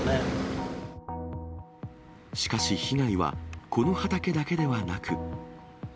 しかし被害は、この畑だけではなく。